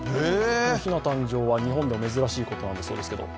ひな誕生は日本でも珍しいことなんだそうですけど。